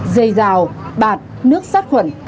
dây rào bạt nước sát khuẩn